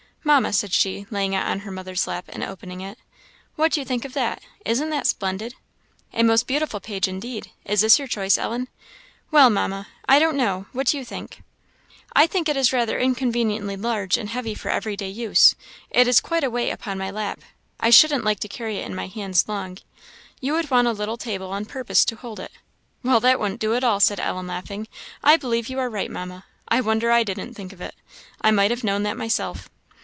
"Mamma," said she, laying it on her mother's lap, and opening it, "what do you think of that? isn't that splendid?" "A most beautiful page indeed; is this your choice, Ellen?" "Well, Mamma, I don't know; what do you think?" "I think it is rather inconveniently large and heavy for everyday use. It is quite a weight upon my lap. I shouldn't like to carry it in my hands long. You would want a little table on purpose to hold it." "Well, that wouldn't do at all," said Ellen, laughing. "I believe you are right, Mamma; I wonder I didn't think of it. I might have known that myself."